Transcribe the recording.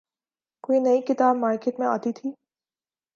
کوئی نئی کتاب مارکیٹ میں آتی تھی۔